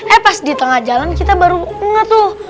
eh pas di tengah jalan kita baru nge tuh